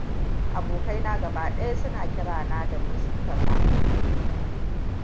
Abokaina gaba ɗaya suna kirana da Mustaphady.